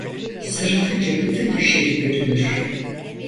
Sırıtınca bütün dişleri görünür.